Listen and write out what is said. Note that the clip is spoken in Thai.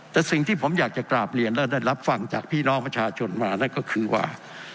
แต่สิ่งที่ผมอยากจะกราบเรียนและได้รับฟังจากพี่น้องประชาชนมานั่นก็คือว่า